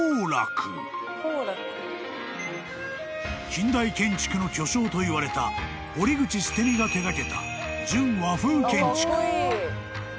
［近代建築の巨匠といわれた堀口捨己が手掛けた］